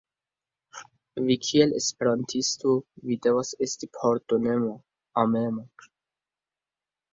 Vi kiel esperantisto, vi devas esti pardonema, amema.